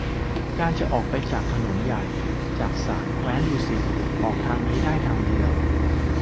การจะออกไปถนนใหญ่ จากศาลแขวงดุสิต ออกทางนี้ได้ทางเดียว